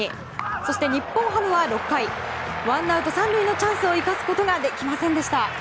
そして日本ハムは６回ワンアウト３塁のチャンスを生かすことができませんでした。